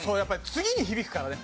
「次に響くからね」